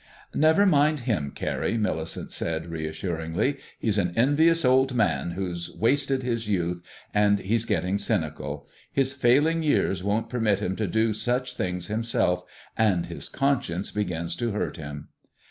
"Never mind him, Carrie," Millicent said reassuringly. "He's an envious old man, who's wasted his youth, and he's getting cynical. His failing years won't permit him to do such things himself, and his conscience begins to hurt him."